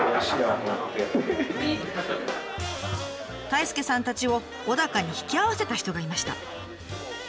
太亮さんたちを小高に引き合わせた人がいました。